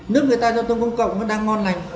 nếu người ta giao thông công cộng đang ngon lành